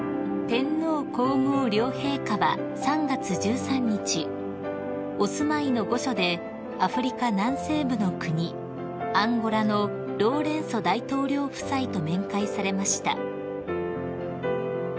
［天皇皇后両陛下は３月１３日お住まいの御所でアフリカ南西部の国アンゴラのロウレンソ大統領夫妻と面会されました］